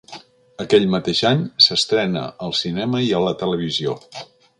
Aquell mateix any s'estrena al cinema i a la televisió.